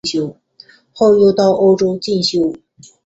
后又到欧洲进修。